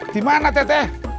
di mana teteh